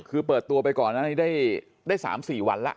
คือเปิดตัวไปก่อนอันนี้ได้๓๔วันแล้ว